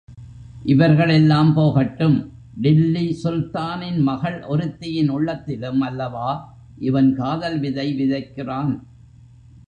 இவர்கள் எல்லாம் போகட்டும் டில்லி சுல்தானின் மகள் ஒருத்தியின் உள்ளத்திலும் அல்லவா இவன் காதல் விதை விதைக்கிறான்!